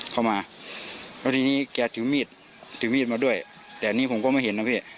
เข้ามาแล้วทีนี้แกถือมีดถือมีดมาด้วยแต่อันนี้ผมก็ไม่เห็นนะพี่